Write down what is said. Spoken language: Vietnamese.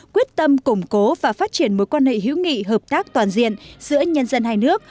quyết tâm củng cố và phát triển mối quan hệ hữu nghị hợp tác toàn diện giữa nhân dân hai nước